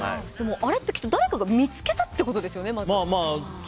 あれって誰かが見つけたってことですよね、まず。